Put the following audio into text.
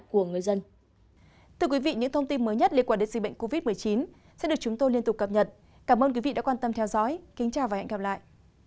cảm ơn các bạn đã theo dõi và hẹn gặp lại